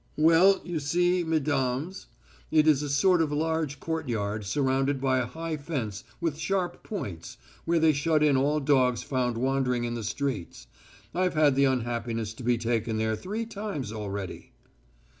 "Well, you see mesdames, it is a sort of large courtyard surrounded by a high fence with sharp points, where they shut in all dogs found wandering in the streets. I've had the unhappiness to be taken there three times already."